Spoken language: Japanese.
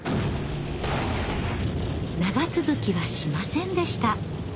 長続きはしませんでした。